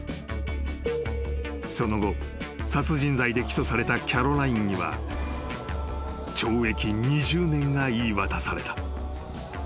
［その後殺人罪で起訴されたキャロラインには懲役２０年が言い渡された］